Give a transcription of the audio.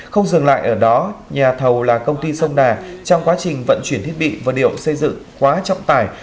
không dừng lại ở đó nhà thầu là công ty sông đà trong quá trình vận chuyển thiết bị vật liệu xây dựng quá trọng tải